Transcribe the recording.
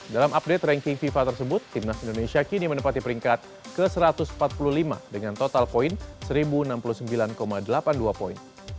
dalam update ranking fifa tersebut timnas indonesia kini menempati peringkat ke satu ratus empat puluh lima dengan total poin seribu enam puluh sembilan delapan puluh dua poin